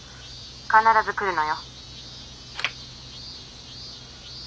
☎必ず来るのよ。